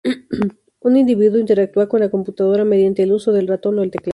Un individuo interactúa con la computadora mediante el uso del ratón o el teclado.